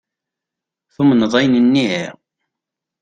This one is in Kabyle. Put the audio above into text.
Tumned ayen-nni?